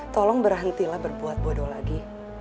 tolong berhentilah berbuat bodoh lagi